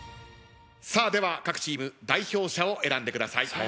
では各チーム代表者を選んでください。